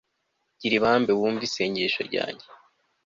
gira ibambe, wumve isengesho ryanjye